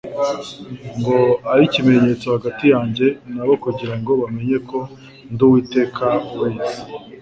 ngo abe ikimenyetso hagati yanjye nabo kugira ngo bamenye ko ndi Uwiteka ubeza."